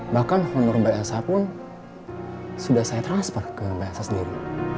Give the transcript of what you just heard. bahkan menurut mbak elsa pun sudah saya transfer ke mbak elsa sendiri